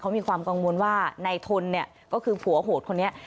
มีความกังวลว่านายทนเนี่ยก็คือผัวโหดคนนี้